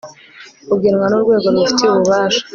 bugenwa n urwego rubifitiye ububasha